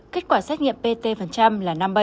kết quả xét nghiệm pt là năm mươi bảy